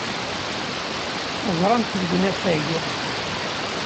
Teẓram-tt deg unafag.